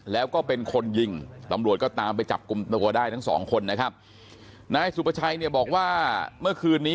แล้วก็เป็นคนยิงตำรวจก็ตามไปจับกลุ่มตัวได้ทั้งสองคนนะครับนายสุประชัยเนี่ยบอกว่าเมื่อคืนนี้